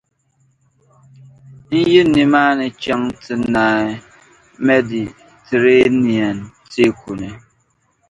n-yi nimaani chaŋ ti naai Mɛditireniɛn Teeku ni.